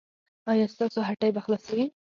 ایا ستاسو هټۍ به خلاصیږي؟